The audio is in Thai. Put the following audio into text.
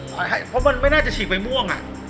เพราะมันไม่น่าจะฉีกใบม่วง